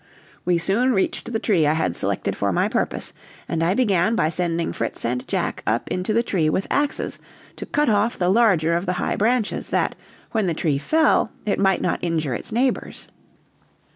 We soon reached the tree I had selected for my purpose, and I began by sending Fritz and Jack up into the tree with axes to cut off the larger of the high branches that, when the tree fell, it might not injure its neighbors.